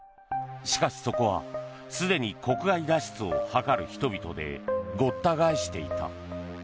しかし、そこはすでに国外脱出を図る人々でごった返していた。